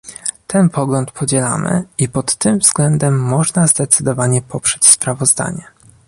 Ten pogląd podzielamy, i pod tym względem można zdecydowanie poprzeć sprawozdanie